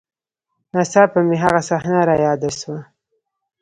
نا څاپه مې هغه صحنه راياده سوه.